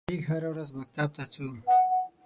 میږ هره ورځ مکتب ته څو.